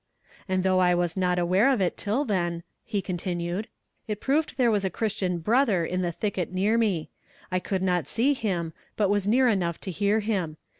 "'And though I was not aware of it till then,'" he continued, "'it proved there was a christian brother in the thicket near me. I could not see him, but was near enough to hear him.